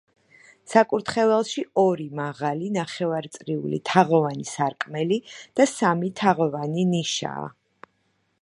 საკურთხეველში ორი, მაღალი, ნახევარწრიულ თაღოვანი სარკმელი და სამი, თაღოვანი ნიშაა.